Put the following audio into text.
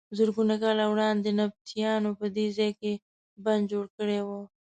زرګونه کاله وړاندې نبطیانو په دې ځای کې بند جوړ کړی و.